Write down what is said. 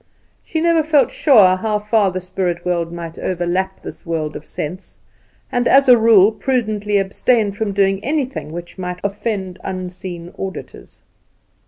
She never felt sure how far the spirit world might overlap this world of sense, and, as a rule, prudently abstained from doing anything which might offend unseen auditors.